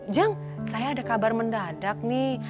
jang saya ada kabar mendadak nih